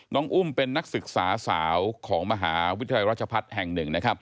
น้องอุ้มเป็นนักศึกษาสาวของมหาวิทยาราชภัฏแห่งหนึ่ง